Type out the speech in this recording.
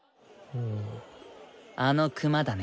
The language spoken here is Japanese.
あのクマだね。